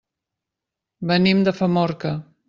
Venim de Famorca.